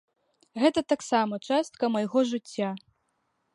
Гэта таксама частка майго жыцця.